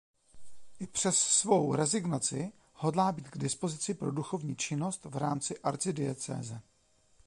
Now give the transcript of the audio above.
I přes svou rezignaci hodlá být k dispozici pro duchovní činnost v rámci arcidiecéze.